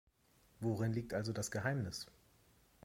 Worin liegt also das Geheimnis?